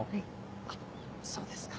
あっそうですか。